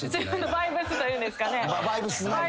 バイブスを。